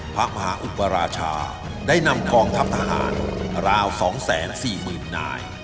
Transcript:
พระมหาอุปราชาได้นำกองทัพทหารราว๒๔๐๐๐นาย